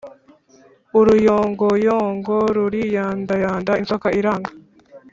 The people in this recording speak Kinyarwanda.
» uruyongoyongo ruriyandayanda inzoka iranga